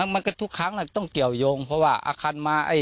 มันก็ทุกครั้งต้องเกี่ยวยงเพราะว่าอาคารมา